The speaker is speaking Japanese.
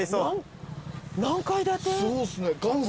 何階建て？